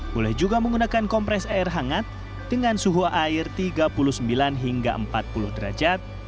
boleh juga menggunakan kompres air hangat dengan suhu air tiga puluh sembilan hingga empat puluh derajat